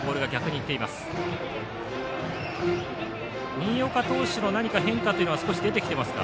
新岡投手の変化というのは少し出てきてますか？